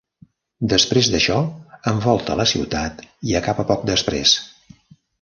Després d'això, envolta la ciutat i acaba poc després.